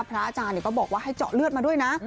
พระอาจารย์ก็บอกว่าให้เจาะเลือดมาด้วยนะ